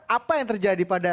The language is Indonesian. apa yang terjadi pada